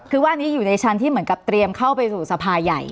คือว่าอันนี้อยู่ในชั้นที่เหมือนกับเตรียมเข้าไปสู่สภาใหญ่